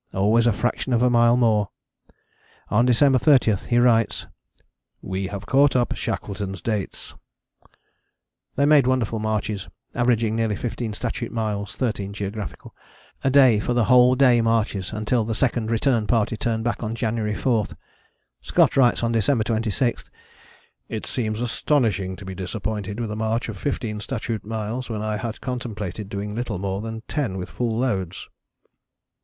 Always a fraction of a mile more.... On December 30 he writes, "We have caught up Shackleton's dates." They made wonderful marches, averaging nearly fifteen statute miles (13 geog.) a day for the whole day marches until the Second Return Party turned back on January 4. Scott writes on December 26, "It seems astonishing to be disappointed with a march of 15 (statute) miles when I had contemplated doing little more than 10 with full loads."